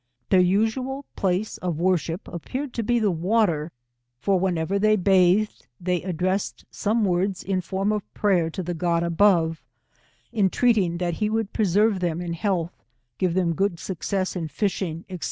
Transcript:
Their usual place of worship, appeared to be the Wdter, for whenever they bathed, they addressed so<tie words in fcrai cf prayer to the God above, intreating that he would preserve them in health, give them good success in fishing, &c.